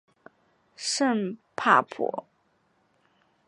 圣帕普。